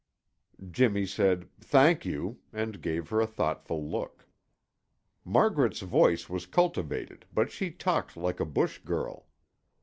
Jimmy said, "Thank you," and gave her a thoughtful look. Margaret's voice was cultivated, but she talked like a bush girl.